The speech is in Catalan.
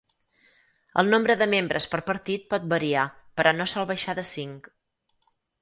El nombre de membres per partit pot variar però no sol baixar de cinc.